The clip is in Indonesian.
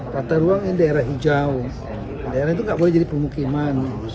tata ruang ini daerah hijau daerah itu nggak boleh jadi pemukiman